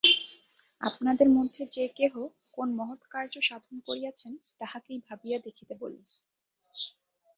আপনাদের মধ্যে যে-কেহ কোন মহৎ কার্য সাধন করিয়াছেন, তাঁহাকেই ভাবিয়া দেখিতে বলি।